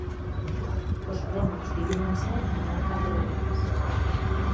Os premios divídense en nove categorías.